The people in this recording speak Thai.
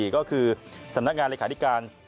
ก็คือสำนักงานเลขาธิการ